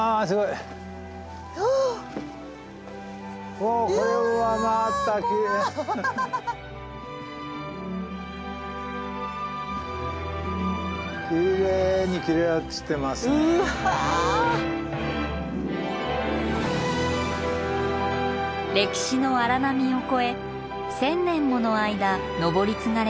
歴史の荒波を超え１，０００年もの間登り継がれてきた宝満山。